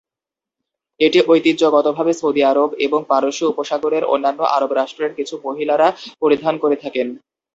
এটি ঐতিহ্যগতভাবে সৌদি আরব এবং পারস্য উপসাগরের অন্যান্য আরব রাষ্ট্রের কিছু মহিলারা পরিধান করে থাকেন।